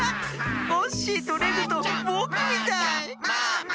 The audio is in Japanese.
コッシーとレグとぼくみたい。